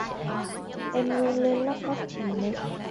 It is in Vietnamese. em run lên lắp bắp chỉ mẹ